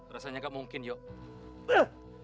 rasanya gak mungkin yoke